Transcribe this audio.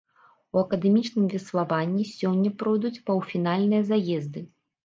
У акадэмічным веславанні сёння пройдуць паўфінальныя заезды.